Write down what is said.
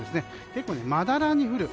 結構、まだらに降る。